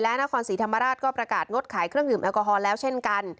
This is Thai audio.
และนครศรีธรรมราชก็ประกาศงดขายเครื่องดื่มแอลกอฮอล์แล้วเช่นกัน